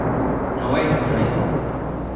Não é estranho?